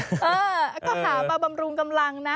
เออก็หามาบำรุงกำลังนะ